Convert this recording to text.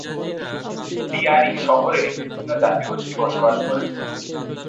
লিয়ারি শহরে বিভিন্ন জাতিগোষ্ঠী বসবাস করে।